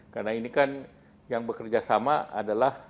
karena ini kan yang bekerjasama adalah